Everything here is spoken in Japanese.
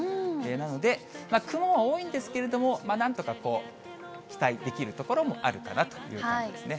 なので、雲は多いんですけど、なんとか期待できるところもあるかなという感じですね。